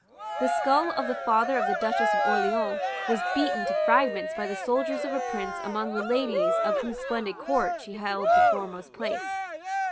The skull of the father of the Duchess of Orleans was beaten to fragments by the soldiers of a prince among the ladies of whose splendid Court she held the foremost place.